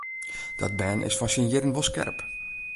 Dat bern is foar syn jierren wol skerp.